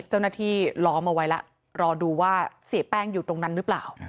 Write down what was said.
เจ้าหน้าที่ล้อมเอาไว้แล้วรอดูว่าเสียแป้งอยู่ตรงนั้นหรือเปล่า